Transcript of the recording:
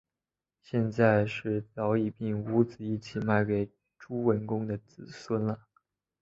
现在是早已并屋子一起卖给朱文公的子孙了